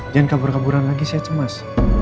jangan kabur kaburan lagi saya cemas